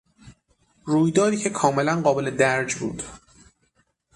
رویدادی که کاملا قابل درج بود